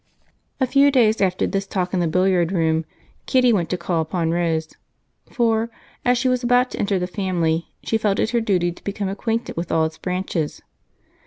A few days after this talk in the billiard room, Kitty went to call upon Rose, for as she was about to enter the family she felt it her duty to become acquainted with all its branches.